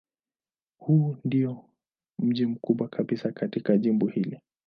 Huu ndiyo mji mkubwa kabisa katika jimbo hili.